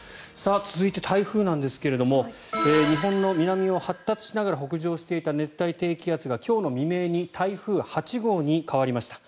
続いて台風なんですが日本の南を発達しながら北上していた熱帯低気圧が今日の未明に台風８号に変わりました。